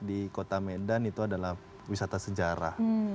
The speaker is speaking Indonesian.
di kota medan itu adalah wisata sejarah